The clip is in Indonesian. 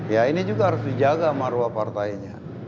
ya ini juga harus dijaga maruah partainya